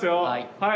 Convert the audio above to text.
はい。